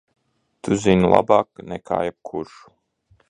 Tu zini labāk nekā jebkurš!